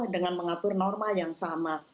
dengan mengatur norma yang sama